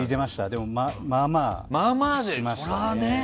でも、まあまあしましたね。